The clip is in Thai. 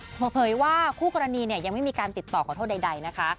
เฉพาะเผยว่าคู่กรณียังไม่มีการติดต่อข้อโทษใดนะคะ